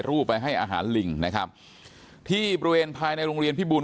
รูปไปให้อาหารลิงนะครับที่บริเวณภายในโรงเรียนพิบูร